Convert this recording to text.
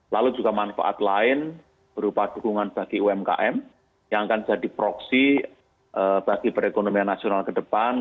lalu juga manfaat lain berupa dukungan bagi umkm yang akan jadi proksi bagi perekonomian nasional ke depan